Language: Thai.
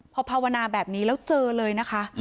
พอภาวนาแบบนี้แล้วเจอเลยนะคะ